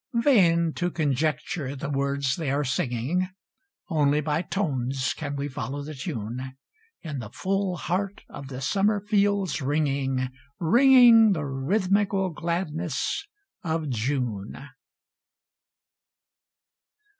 Vain to conjecture the words they are singing; Only by tones can we follow the tune In the full heart of the summer fields ringing, Ringing the rhythmical gladness of June!